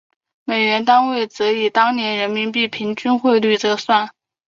美元单位则以当年人民币平均汇率折算。